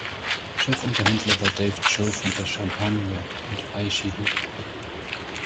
Chefunterhändler war Dave Joe von den Champagne und Aishihik.